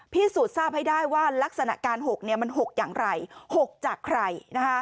พิสูจน์ทราบให้ได้ว่าลักษณะการ๖มัน๖อย่างไร๖จากใคร